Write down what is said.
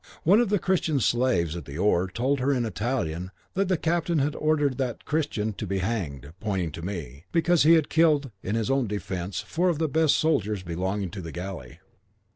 One of the Christian slaves at the oar told her in Italian that the captain had ordered that Christian to be hanged, pointing to me, because he had killed in his own defence four of the best soldiers belonging to the galley.